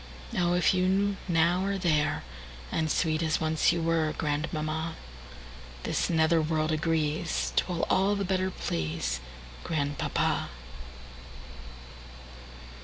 Oh, if you now are there, And sweet as once you were, Grandmamma, This nether world agrees'T will all the better pleaseGrandpapa.